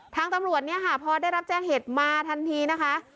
ทางตำรวจเนี่ยค่ะพอได้รับแจ้งเหตุมาทันทีนะคะ